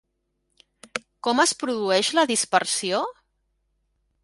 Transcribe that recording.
Com es produeix la dispersió?